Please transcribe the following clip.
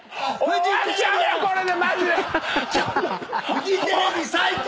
フジテレビ最高！